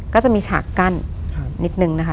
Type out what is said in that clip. ก็จะมีฉากกั้นนิดนึงนะคะ